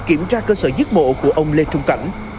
kiểm tra cơ sở giết mổ của ông lê trung cảnh